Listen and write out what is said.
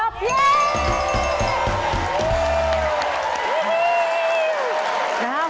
ถูกครับ